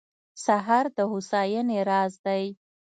سهار د هوساینې راز دی.